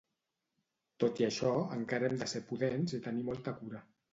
Tot i això, encara hem de ser prudents i tenir molta cura